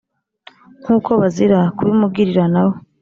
nk’uko bazira kubimugirira na bo